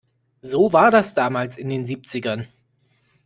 So war das damals in den Siebzigern.